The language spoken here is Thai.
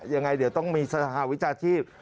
ยังไงเดี๋ยวต้องมีสถาวิจารณ์ที่